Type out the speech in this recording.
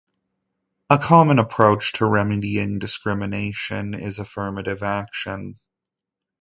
A common approach to remedying discrimination is affirmative action.